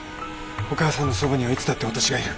お母さんのそばにはいつだって私がいる。